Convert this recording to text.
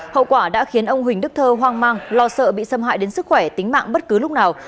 hậu quả đã khiến ông huỳnh đức thơ hoang mang lo sợ bị xâm hại đến sức khỏe tính mạng bất cứ lúc nào